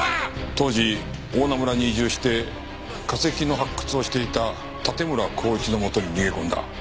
当時大菜村に移住して化石の発掘をしていた盾村孝一のもとに逃げ込んだ。